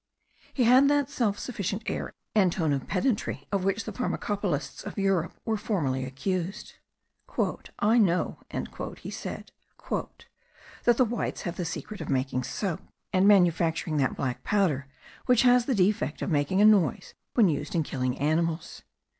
He had that self sufficient air and tone of pedantry of which the pharmacopolists of Europe were formerly accused. "I know," said he, "that the whites have the secret of making soap, and manufacturing that black powder which has the defect of making a noise when used in killing animals.